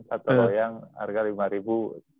satu loyang harga lima ribu